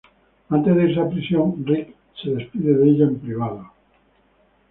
Antes de irse a prisión Rick se despide de ella en privado.